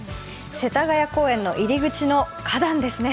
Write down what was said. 世田谷公園の入り口の花壇ですね。